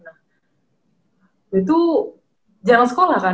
itu jalan sekolah kan